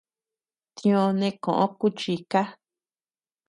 Tiö neʼe koʼö kuchika.